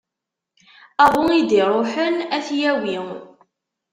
Aḍu i d-iruḥen ad t-yawi.